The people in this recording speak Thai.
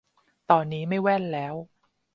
ตอนนี้ไม่แว่นแล้ว